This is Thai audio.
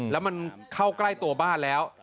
แล้วมันเข้าใกล้ตัวบ้านแล้ว